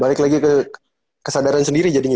balik lagi ke kesadaran sendiri jadinya